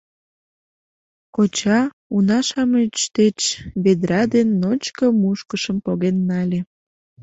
Коча уна-шамыч деч ведра ден ночко мушкышым поген нале.